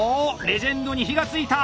レジェンドに火が付いた！